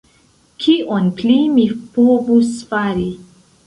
Kion pli mi povus fari?